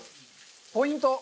ポイント。